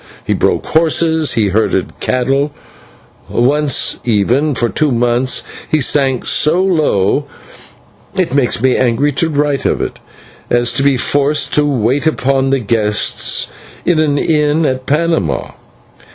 He broke horses, he herded cattle; once, even, for two months he sank so low it makes me angry to write of it as to be forced to wait upon the guests in an inn at Panama.